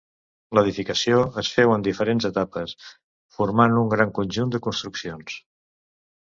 L'edificació es féu en diferents etapes, formant un gran conjunt de construccions.